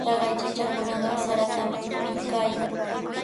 Taqay chachakunaqa saratami tipiykaayan.